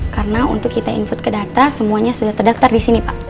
karena untuk kita input ke data semuanya sudah terdaftar di sini pak